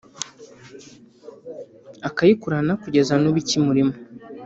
akayikurana kugeza n’ubu ikimurimo